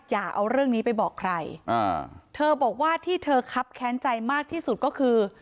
อย่าเอาเรื่องนี้ไปบอกใครอ่าเธอบอกว่าที่เธอครับแค้นใจมากที่สุดก็คือ